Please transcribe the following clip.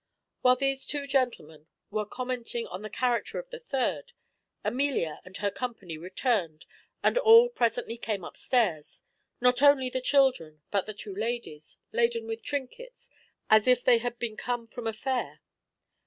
Whilst these two gentlemen were commenting on the character of the third, Amelia and her company returned, and all presently came up stairs, not only the children, but the two ladies, laden with trinkets as if they had been come from a fair.